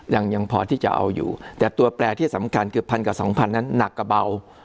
ยังยังพอที่จะเอาอยู่แต่ตัวแปลที่สำคัญเกือบพันกับสองพันนั้นหนักกว่าเบา